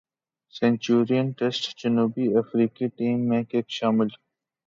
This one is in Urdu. سنچورین ٹیسٹ جنوبی افریقی ٹیم میں کک شامل